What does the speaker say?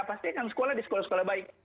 pasti akan sekolah di sekolah sekolah baik